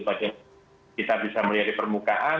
bagaimana kita bisa melihat di permukaan